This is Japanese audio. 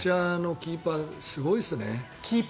キーパーすごいですね。